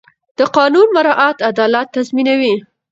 د قانون مراعت عدالت تضمینوي